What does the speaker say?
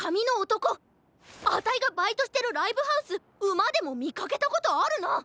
あたいがバイトしてるライブハウスＵＭＡでもみかけたことあるな！